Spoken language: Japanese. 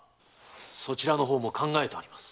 そちらの方も考えております。